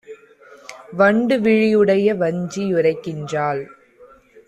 வண்டு விழியுடைய வஞ்சி யுரைக்கின்றாள்: